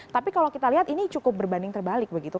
tapi kalau kita lihat ini cukup berbanding terbalik begitu